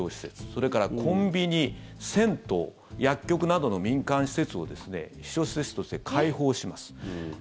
それからコンビニ、銭湯薬局などの民間施設を避暑施設として開放します。